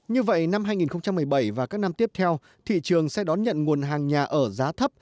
như vậy năm hai nghìn một mươi bảy và các năm tiếp theo thị trường sẽ đón nhận nguồn hàng nhà ở giá thấp